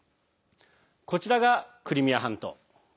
こちらがクリミア半島。